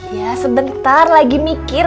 iya sebentar lagi mikir